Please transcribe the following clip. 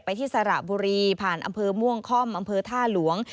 ที่สระบุรีผ่านอำเภอม่วงค่อมอำเภอท่าหลวง